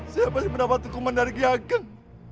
siapa yang mendapat hukuman dari ki ageng